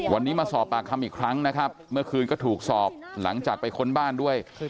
วันนี้มาสอบปากคำอีกครั้งนะครับเมื่อคืนก็ถูกสอบหลังจากไปค้นบ้านด้วย